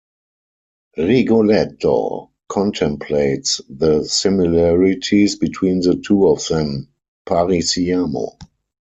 Rigoletto contemplates the similarities between the two of them: Pari siamo!